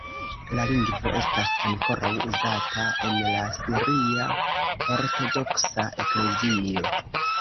La lingvo estas ankoraŭ uzata en la siria ortodoksa eklezio.